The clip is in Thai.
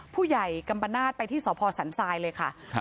ผู้ใหญ่กัมปนาศไปที่สพสันทรายเลยค่ะ